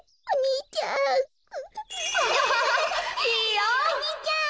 お兄ちゃん。